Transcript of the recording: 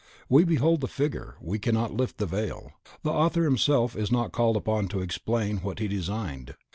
We behold the figure, we cannot lift the veil. The author himself is not called upon to explain what he designed.